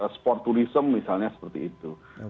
sporturism misalnya seperti itu